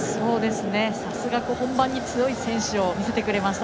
さすが、本番に強い選手見せてくれました。